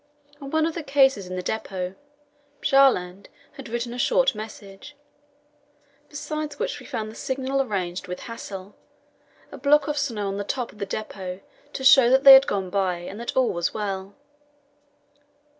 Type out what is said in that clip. On one of the cases in the depot Bjaaland had written a short message, besides which we found the signal arranged with Hassel a block of snow on the top of the depot to show that they had gone by, and that all was well.